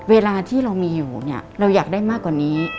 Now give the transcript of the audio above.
เวลาที่เรามีอยู่เนี่ยเราอยากได้มากกว่านี้